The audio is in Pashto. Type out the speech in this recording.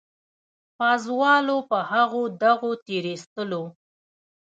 پازوالو په هغو دغو تېرېستلو.